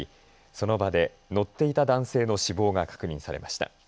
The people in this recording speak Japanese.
その場で乗っていた男性の死亡が確認されました。